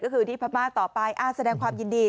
ก็คือที่พม่าต่อไปแสดงความยินดี